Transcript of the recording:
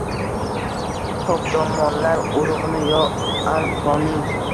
Pokdomonlar urugʼimi yo anqoning.